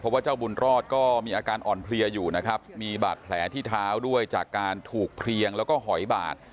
ว่าเจ้าบุญรอดก็มีอาการอ่อนเพลียอยู่นะครับมีบาดแผลที่เท้าด้วยจากการถูกเพลียงแล้วก็หอยบาด